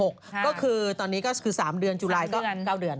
ก็คือตอนนี้ก็คือ๓เดือนจุลายก็๙เดือน